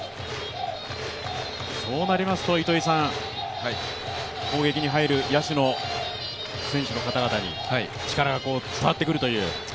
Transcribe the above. そうなりますと、攻撃に入る野手の選手の方々に力が伝わってくるという。